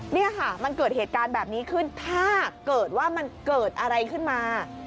นี่ค่ะมันเกิดเหตุการณ์แบบนี้ขึ้นถ้าเกิดว่ามันเกิดอะไรขึ้นมา